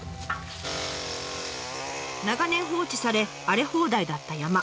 長年放置され荒れ放題だった山。